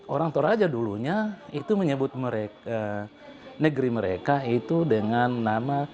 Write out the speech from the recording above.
orang toraja dulunya itu menyebut negeri mereka itu dengan nama